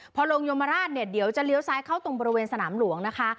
พอลงยมราชเนี่ยเดี๋ยวจะเลี้ยวซ้ายเข้าตรงบริเวณสนามหลวงนะคะ